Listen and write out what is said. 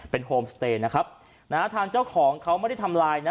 เป็นโฮมสเตย์นะครับนะฮะทางเจ้าของเขาไม่ได้ทำลายนะ